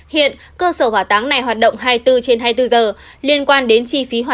hiện cơ sở hòa táng này hoạt động hai mươi bốn trên hai mươi bốn giờ